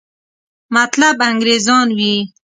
مطلب انګریزان وي.